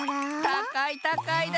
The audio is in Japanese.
たかいたかいだ！